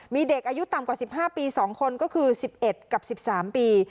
มีเด็กอายุต่ำกว่า๑๕ปี๒คนก็คือ๑๑กับ๑๓ปี